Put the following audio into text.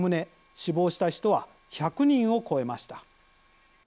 死亡した人は１００人を超えました。